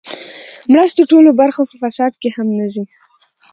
مرستو ټوله برخه په فساد کې هم نه ځي.